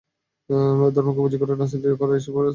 ধর্মকে পুঁজি করে যারা রাজনীতি করে, এসব রাজনীতির অবসান হতে হবে।